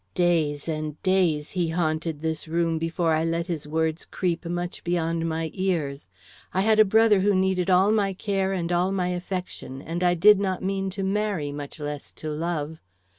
Days and days he haunted this room before I let his words creep much beyond my ears. I had a brother who needed all my care and all my affection, and I did not mean to marry, much less to love.